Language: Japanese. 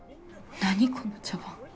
何この茶番。